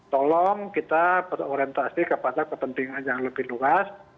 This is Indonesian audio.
tolong kita berorientasi kepada kepentingan yang lebih luas